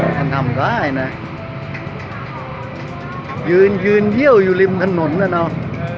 มันทำได้นะยืนยืนเยี่ยวอยู่ริมถนนน่ะเนอะ